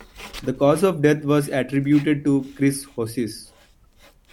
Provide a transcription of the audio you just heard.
The cause of death was attributed to cirrhosis.